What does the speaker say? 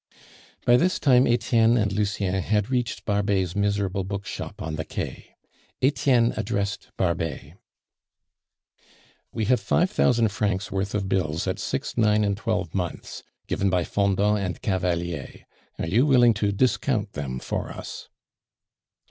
By this time Etienne and Lucien had reached Barbet's miserable bookshop on the Quai. Etienne addressed Barbet: "We have five thousand francs' worth of bills at six, nine, and twelve months, given by Fendant and Cavalier. Are you willing to discount them for us?"